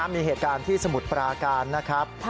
มีเหตุการณ์ที่สมุทรปราการนะครับ